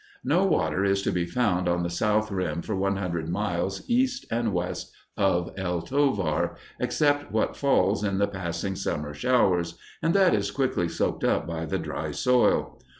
No water is to be found on the south rim for one hundred miles east and west of El Tovar, except what falls in the passing summer showers, and that is quickly soaked up by the dry soil.